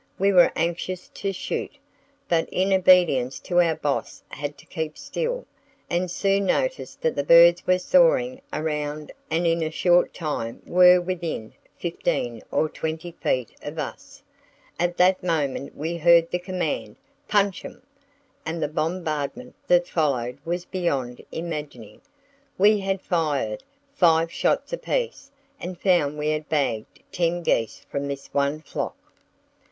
We were anxious to shoot, but in obedience to our boss had to keep still, and soon noticed that the birds were soaring around and in a short time were within fifteen or twenty feet of us. At that moment we heard the command, 'Punch 'em!' and the bombardment that followed was beyond imagining. We had fired five shots apiece and found we had bagged ten geese from this one flock.